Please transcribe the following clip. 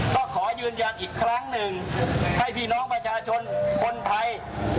ก็ขอยืนยันอีกครั้งหนึ่งให้พี่น้องประชาชนคนไทย